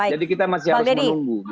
jadi kita masih harus menunggu